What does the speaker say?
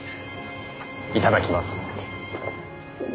いただきます。